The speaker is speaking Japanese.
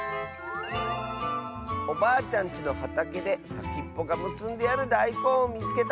「おばあちゃんちのはたけでさきっぽがむすんであるだいこんをみつけた！」。